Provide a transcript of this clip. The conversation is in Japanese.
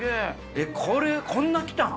えっこんな来たん？